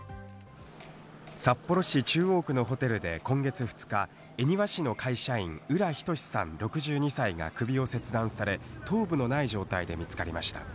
札幌市中央区のホテルで今月２日、恵庭市の会社員・浦仁志さん、６２歳が首を切断され、頭部のない状態で見つかりました。